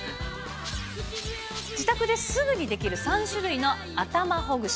自宅ですぐにできる３種類の頭ほぐし。